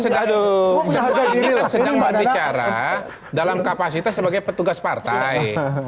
semua ini kan sedang berbicara dalam kapasitas sebagai petugas partai